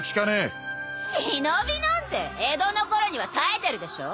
忍なんて江戸のころには絶えてるでしょ。